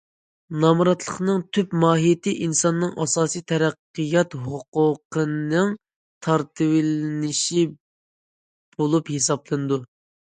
نامراتلىقنىڭ تۈپ ماھىيىتى ئىنساننىڭ ئاساسىي تەرەققىيات ھوقۇقىنىڭ تارتىۋېلىنىشى بولۇپ ھېسابلىنىدۇ.